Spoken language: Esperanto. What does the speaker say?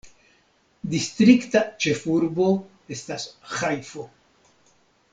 Distrikta ĉefurbo estas Ĥajfo.